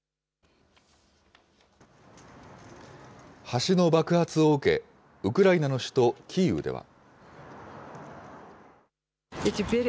橋の爆発を受け、ウクライナの首都キーウでは。